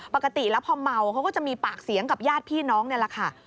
ปกติแล้วพอเมาเขาก็จะมีปากเสียงกับญาติพี่น้องนี่แหละค่ะ